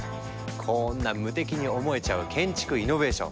こんな無敵に思えちゃう建築イノベーション。